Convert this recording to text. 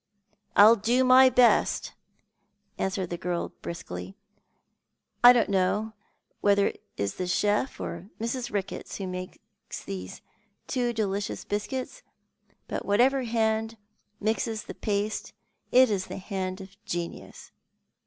" I'll do my best," answered the girl briskly. " T don't know whether it is the chef or Mrs. Ricketts who makes there too delicious biscuits, but whatsoever hand mixes the paste it is the hand of genius.